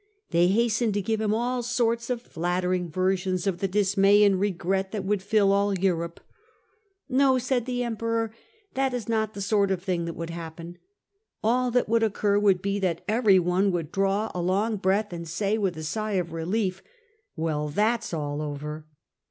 They hastened to give him all sorts of flattering versions of the dismay and regret that would fill all Europe. ''No/' said the Emperor, " that is not the sort of thing that would happen. All that would occur would be that every one would draw a long breath, and say with a sigh of relief, ' Well, that s all over.'